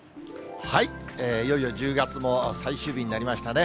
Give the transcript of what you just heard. いよいよ１０月も最終日になりましたね。